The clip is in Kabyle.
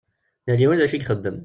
Yal yiwen d acu ixeddem.